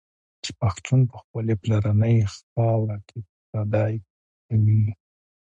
چي پښتون په خپلي پلرنۍ خاوره کي پردی کوي